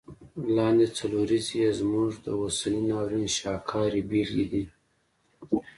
لاندي څلوریځي یې زموږ د اوسني ناورین شاهکاري بیلګي دي.